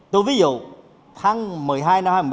tôi ví dụ tháng một mươi hai năm hai nghìn một mươi bảy